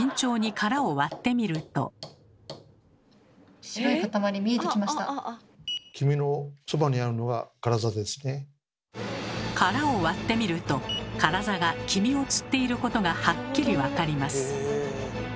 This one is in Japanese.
殻を割ってみるとカラザが黄身をつっていることがはっきりわかります。